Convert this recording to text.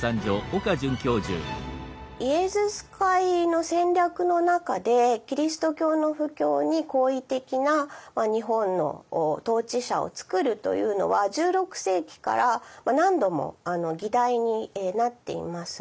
イエズス会の戦略の中でキリスト教の布教に好意的な日本の統治者を作るというのは１６世紀から何度も議題になっています。